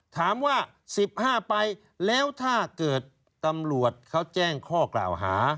ถามว่า๑๕ไปแล้วถ้าเกิดตำรวจเขาแจ้งข้อกล่าวหา